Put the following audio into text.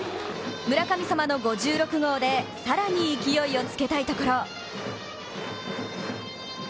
村神様の５６号で、更に勢いをつけたいところ。